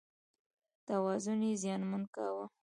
توازن یې زیانمن کاوه.